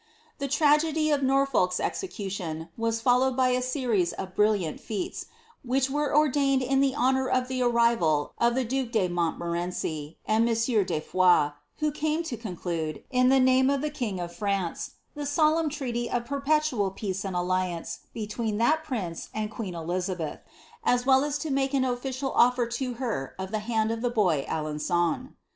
The tragedy of Norfolk's execution was followed by a series of bril liant fetes, which were ordained in honour of the arrival of the duke lie Montmorenci and monsieur de Foix, who came to conclude, in the name of the king of France, the solemn treaty of perpetual peace and alliance between that prince and queen Elizabeth, as well as to make an official oflfer to her of the hand of the boy Alen9on.